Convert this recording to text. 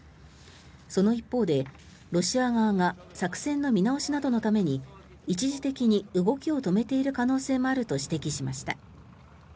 その一方で、ロシア側が作戦の見直しなどのために一時的に動きを止めている可能性もあると指摘しました。